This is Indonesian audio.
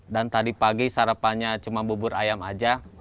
dan tadi pagi sarapannya cuma bubur ayam aja